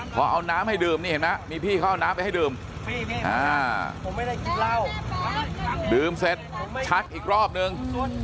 พอเอาน้ำให้ดื่มมีพี่เขาเอาน้ำให้ดื่มดื่มเสร็จชักอีกรอบนึง